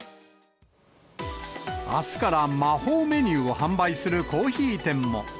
あすから魔法メニューを販売するコーヒー店も。